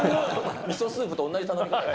ミソスープと同じ頼み方。